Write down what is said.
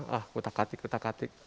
letak katik letak katik